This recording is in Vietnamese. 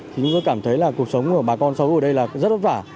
thì chúng tôi cảm thấy là cuộc sống của bà con sống ở đây là rất vất vả